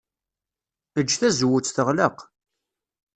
Ejj tazewwut teɣleq.